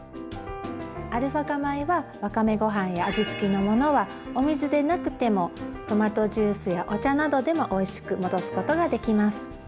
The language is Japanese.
アルファ化米はわかめごはんや味つきのものはお水でなくてもトマトジュースやお茶などでもおいしく戻すことができます。